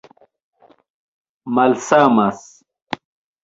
malsamas